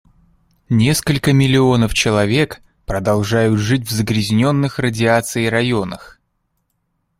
Несколько миллионов человек продолжают жить в загрязнённых радиацией районах.